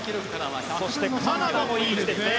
そしてカナダもいい位置ですね。